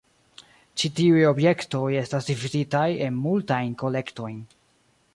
Ĉi tiuj objektoj estas dividitaj en multajn kolektojn.